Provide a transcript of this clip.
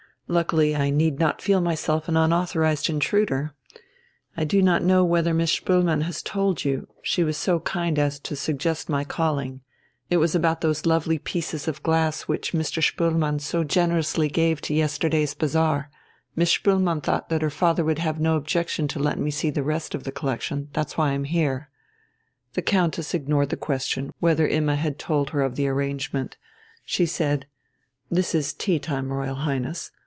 Luckily I need not feel myself an unauthorized intruder. I do not know whether Miss Spoelmann has told you.... She was so kind as to suggest my calling. It was about those lovely pieces of glass which Mr. Spoelmann so generously gave to yesterday's bazaar. Miss Spoelmann thought that her father would have no objection to letting me see the rest of his collection. That's why I'm here ..." The Countess ignored the question whether Imma had told her of the arrangement. She said: "This is tea time, Royal Highness.